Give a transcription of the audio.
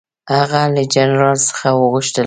هغه له جنرال څخه وغوښتل.